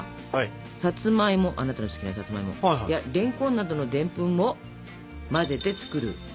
さつまいもあなたの好きなさつまいもやれんこんなどのでんぷんを混ぜて作るものがわらび餅粉。